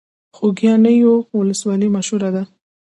خوږیاڼیو ولسوالۍ مشهوره ده؟